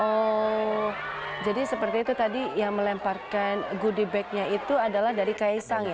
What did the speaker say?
oh jadi seperti itu tadi yang melemparkan goodie bagnya itu adalah dari kaisang ya